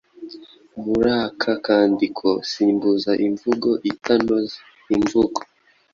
Muri aka kandiko, simbuza imvugo itanoze, imvugo